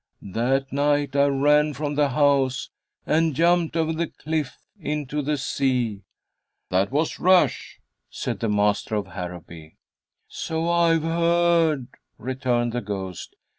That night I ran from the house and jumped over the cliff into the sea." "That was rash," said the master of Harrowby. "So I've heard," returned the ghost.